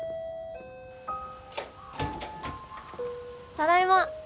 ただいま。